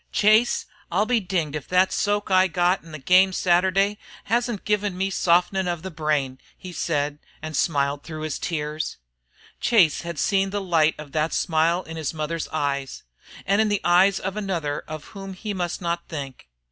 "Chase, I'll be dinged if thet soak I got in the game Saturday hasn't give me softenin' of the brain," he said, and smiled through his tears. Chase had seen the light of that smile in his mother's eyes; and in the eyes of another of whom he must not think.